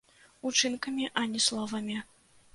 Учынкамі, а не словамі.